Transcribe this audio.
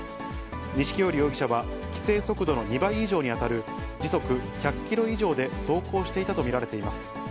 錦織容疑者は、規制速度の２倍以上に当たる時速１００キロ以上で走行していたと見られています。